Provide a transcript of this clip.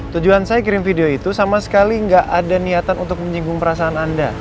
tujuan saya kirim video itu sama sekali nggak ada niatan untuk menyinggung perasaan anda